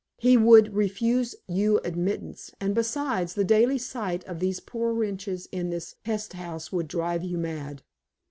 He would refuse you admittance; and, besides, the daily sight of these poor wretches in this pest house would drive you mad.